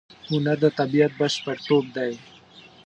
هنر د طبیعت بشپړتوب دی.